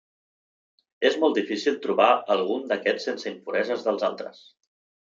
És molt difícil trobar algun d’aquests sense impureses dels altres.